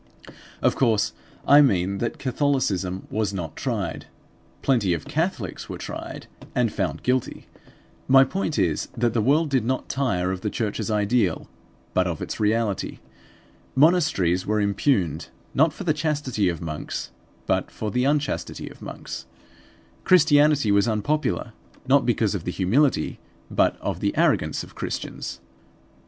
Of course, I mean that Catholicism was not tried; plenty of Catholics were tried, and found guilty. My point is that the world did not tire of the church's ideal, but of its reality. Monasteries were impugned not for the chastity of monks, but for the unchastity of monks. Christianity was unpopular not because of the humility, but of the arrogance of Christians.